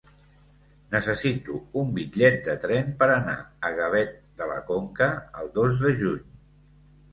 Necessito un bitllet de tren per anar a Gavet de la Conca el dos de juny.